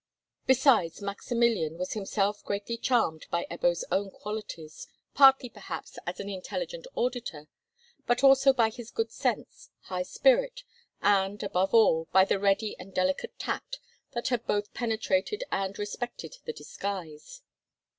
Besides, Maximilian was himself greatly charmed by Ebbo's own qualities—partly perhaps as an intelligent auditor, but also by his good sense, high spirit, and, above all, by the ready and delicate tact that had both penetrated and respected the disguise.